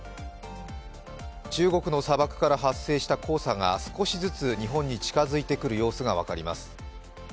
中国の砂漠から発生した黄砂が少しずつ日本に近づいてくる様子が分かります。